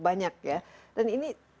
banyak ya dan ini